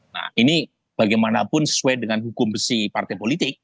nah ini bagaimanapun sesuai dengan hukum besi partai politik